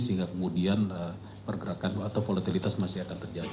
sehingga kemudian pergerakan atau volatilitas masih akan terjadi